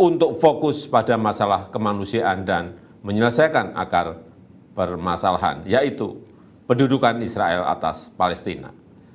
untuk fokus pada masalah kemanusiaan dan menyelesaikan akar permasalahan yaitu pendudukan israel atas palestina